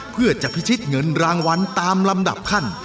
เพื่อจะพิชิตเงินรางวัลตามลำดับขั้น